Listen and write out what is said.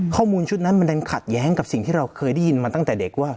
ข้อมูลชุดนั้นมันดันขัดแย้งกับสิ่งที่เราเคยได้ยินมาตั้งแต่เด็กว่า